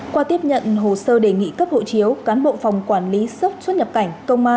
qua tiếp nhận hồ sơ đề nghị cấp hộ chiếu cán bộ phòng quản lý sốc xuất nhập cảnh